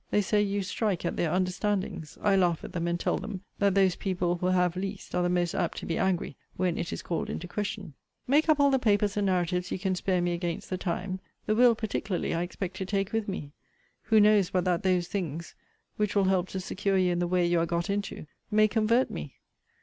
They say, you strike at their understandings. I laugh at them; and tell them, that those people who have least, are the most apt to be angry when it is called into question. Make up all the papers and narratives you can spare me against the time. The will, particularly, I expect to take with me. Who knows but that those things, which will help to secure you in the way you are got into, may convert me?